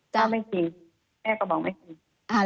ถ้าไม่จริงแม่ก็บอกไม่จริง